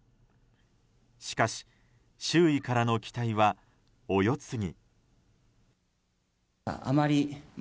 しかし、周囲からの期待はお世継ぎ。